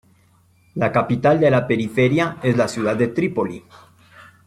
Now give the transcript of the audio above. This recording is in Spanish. La capital de la periferia es la ciudad de Trípoli.